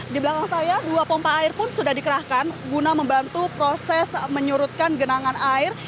di belakang saya dua pompa air pun sudah dikerahkan guna membantu proses menyurutkan genangan air